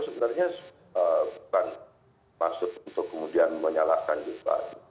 sebenarnya bukan masuk untuk kemudian menyalahkan juga pak jelmar